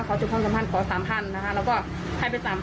ขอจบความสัมพันธ์ขอ๓๐๐๐บาทนะคะแล้วก็ให้เป็น๓๐๐๐บาท